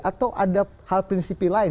atau ada hal prinsipi lain